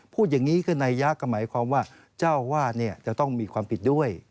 พูดอย่างนี้คือนายยะก็หมายความว่าเจ้าวาดจะต้องมีความผิดด้วย